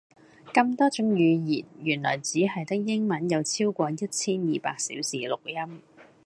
咁多種語言原來只係得英文有超過一千二百小時錄音